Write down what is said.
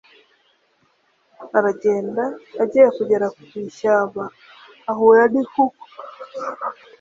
Aragenda, agiye kugera ku ishyamba ahura n'ifuku.